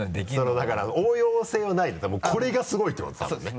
だから応用性はないのこれがすごいってことだもんね。